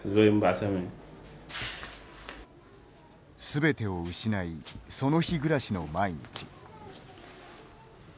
すべてを失いその日暮らしの毎日。